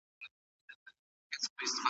د کيمبريج پوهنتون غونډه جوړه سوه.